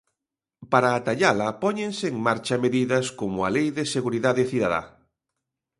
Para atallala, póñense en marcha medidas como a Lei de Seguridade Cidadá.